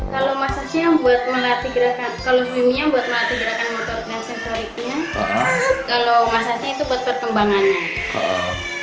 kalau masasi yang buat melatih gerakan motor dan sensoriknya kalau masasi itu buat perkembangannya